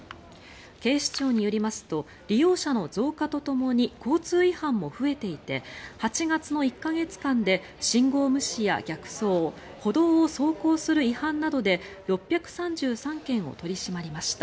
警視庁によりますと利用者の増加とともに交通違反も増えていて８月の１か月間で信号無視や逆走歩道を走行する違反などで６３３件を取り締まりました。